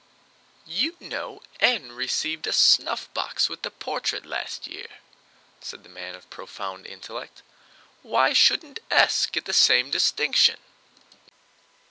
"You know N— N— received a snuffbox with the portrait last year?" said "the man of profound intellect." "Why shouldn't S— S— get the same distinction?"